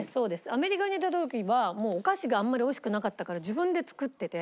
アメリカにいた時はお菓子があんまり美味しくなかったから自分で作ってて。